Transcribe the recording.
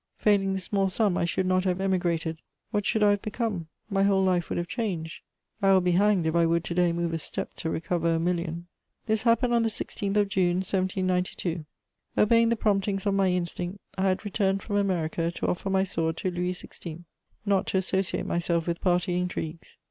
Failing this small sum, I should not have emigrated: what should I have become? My whole life would have changed. I will be hanged if I would to day move a step to recover a million. This happened on the 16th of June 1792. Obeying the promptings of my instinct, I had returned from America to offer my sword to Louis XVI., not to associate myself with party intrigues.